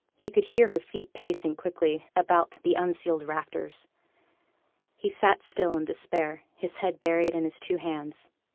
He could hear her feet pacing quickly about through the unceiled rafters. He sate still in despair, his head buried in his two hands.